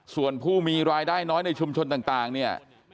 ส่วนผู้มีรายได้น้อยในชุมชนต่างเนี่ย